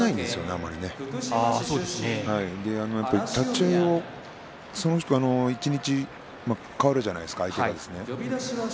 あんまり立ち合い一日変わるじゃないですか。